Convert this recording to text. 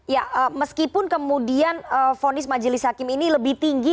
oke pak boyamin ya meskipun kemudian fonis majelis hakim ini lebih tinggi